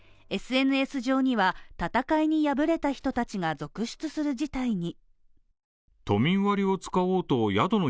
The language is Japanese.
ＳＮＳ上には戦いに敗れた人たちが続出する事態に。